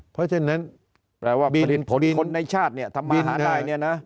เพราะฉะนั้นแปลว่าคนในชาติเนี่ยทำมาหาได้เนี่ยนะ